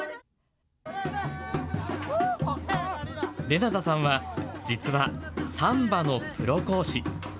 レナタさんは、実はサンバのプロ講師。